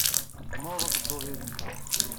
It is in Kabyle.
Tzemreḍ ad tedduḍ yid-nteɣ.